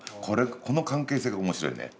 この関係性が面白いね。